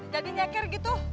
jadi nyeker gitu